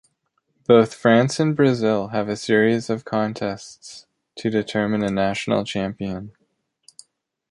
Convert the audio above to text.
Both France and Brazil have a series of contests to determine a national champion.